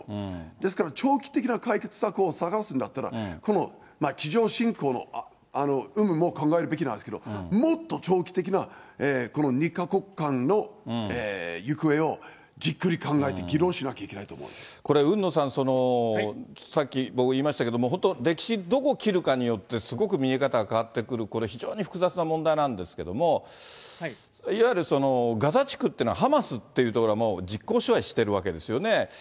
ですから長期的な解決策を探すんだったら、地上侵攻の有無も考えるべきなんですけど、もっと長期的な、この２か国間の行方をじっこれ海野さん、さっき僕言いましたけど、本当歴史、どこを切るかによって、すごく見え方が変わってくる、これ非常に複雑な問題なんですけれど、いわゆるガザ地区というのは、ハマスっていう所が実効支配してるわけですよね。